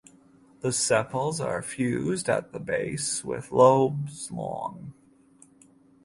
The sepals are fused at the base with lobes long.